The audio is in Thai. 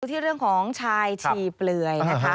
ที่เรื่องของชายชีเปลือยนะคะ